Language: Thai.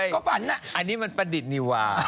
ก็ฝันอะนี่มันประดิษฐรรมนี่วะ